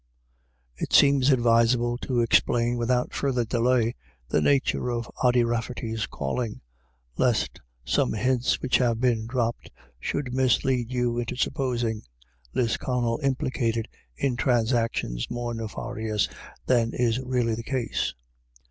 It seems advisable to explain without further delay the nature of Ody RafTerty's calling, lest some hints which have been dropped should mis lead you into "supposing Lisconnel implicated in i transactions more nefarious than is really the case.